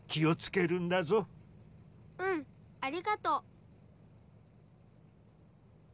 うんありがとう。